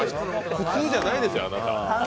普通じゃないですよ、あなた。